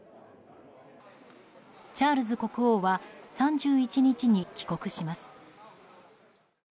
チャールズ国王は３１日に帰国します。